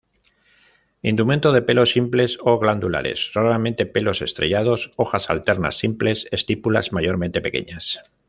Indumento de pelos simples o glandulares, raramente pelos estrellados. Hojas alternas, simples; estípulas mayormente pequeñas.